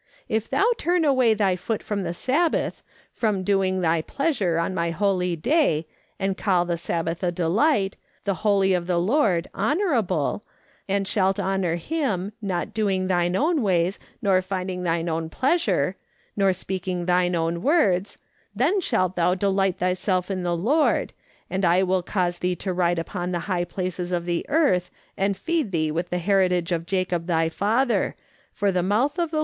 'If thou turn away thy foot from the Sabbath, from doing thy pleasure on my holy day ; and call the Sabbath a delight, the holy of the Lord, honourable ; and shalt honour him, not doing thine own ways, nor finding thine own pleasure, nor speaking thine own words ; then shalt thou delight thyself in the Lord ; and I will ca\ise thee to ride upon the high places of the earth, and feed thee with the heritage of Jacob thy father : for the moutli of the.